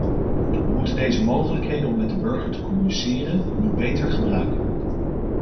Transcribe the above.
Wij moeten deze mogelijkheden om met de burger te communiceren nu beter gebruiken.